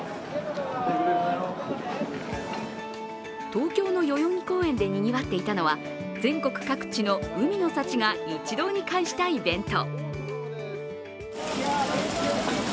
東京の代々木公園でにぎわっていたのは全国各地の海の幸が一堂に会したイベント。